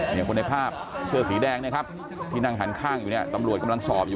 อย่างคนในภาพเสื้อสีแดงเนี่ยครับที่นั่งหันข้างอยู่เนี่ยตำรวจกำลังสอบอยู่